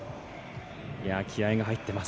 気合いが入ってます。